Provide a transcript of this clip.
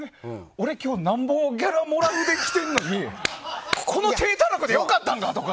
俺今日、なんぼギャラもらってきてるのにこの体たらくでよかったんか、とか。